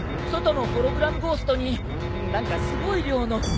外のホログラムゴーストに何かすごい量の。